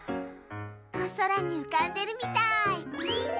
おそらにうかんでるみたい。